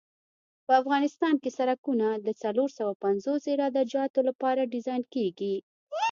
په افغانستان کې سرکونه د څلور سوه پنځوس عراده جاتو لپاره ډیزاین کیږي